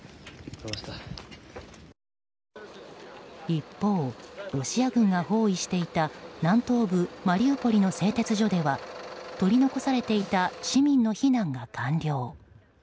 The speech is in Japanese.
一方、ロシア軍が包囲していた南東部マリウポリの製鉄所では取り残されていた市民の避難が完了。